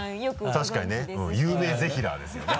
確かにね有名ぜひらーですよね。